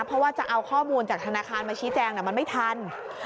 เพราะว่าจะเอาข้อมูลจากธนาคารมาชี้แจงมันไม่ทัน